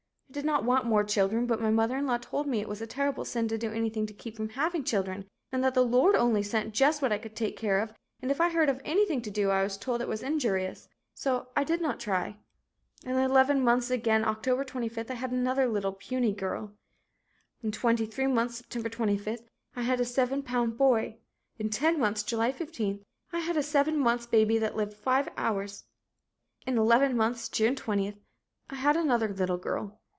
I did not want more children, but my mother in law told me it was a terrible sin to do anything to keep from having children and that the Lord only sent just what I could take care of and if I heard of anything to do I was told it was injurious, so I did not try. "In eleven months again, October 25, I had another little puny girl. In twenty three months, Sept. 25th, I had a seven lb. boy. In ten months, July 15, I had a seven months baby that lived five hours. In eleven months, June 20, I had another little girl.